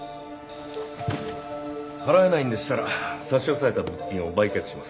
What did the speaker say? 払えないんでしたら差し押さえた物品を売却します。